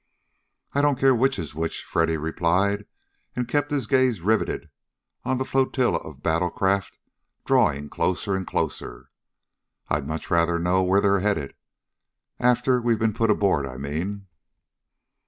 "I don't care which is which," Freddy replied, and kept his gaze riveted on the flotilla of battle craft drawing closer and closer. "I'd much rather know where they are headed. After we've been put aboard, I mean."